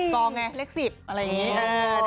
กองไงเลข๑๐อะไรอย่างนี้